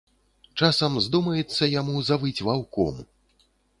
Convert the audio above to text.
Часам здумаецца яму завыць ваўком.